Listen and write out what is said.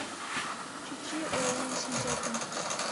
Чӱчӱ ойлен шинчылтын: